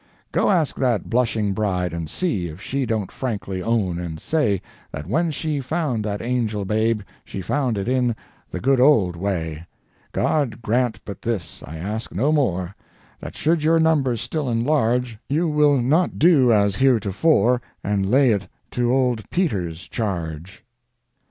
Go ask that blushing bride and see If she don't frankly own and say, That when she found that angel babe, She found it in the good old way. God grant but this, I ask no more, That should your numbers still enlarge, You will not do as heretofore, And lay it to old Peter's charge.